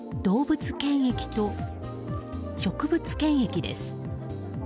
動物検疫と植物検疫です。